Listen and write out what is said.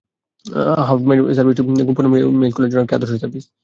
Hide my ass সার্ভিসটিও গোপন email খোলার জন্য আদর্শ একটি সার্ভিস।